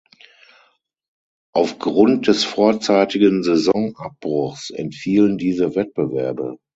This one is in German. Aufgrund des vorzeitigen Saisonabbruchs entfielen diese Wettbewerbe.